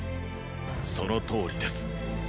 そのとおりです。